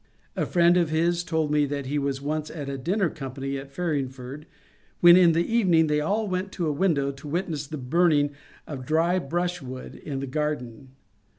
A friend of his told me that he was once at a dinner company at Farringford when in the evening they all went to a window to witness the burning of dry brush wood in the garden.